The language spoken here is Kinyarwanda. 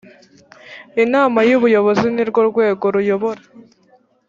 inama y’ ubuyobozi ni rwo rwego ruyobora.